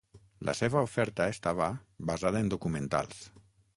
La seva oferta estava basada en documentals.